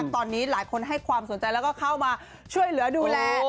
ตอนนี้หลายคนให้ความสนใจแล้วก็เข้ามาช่วยเหลือดูแล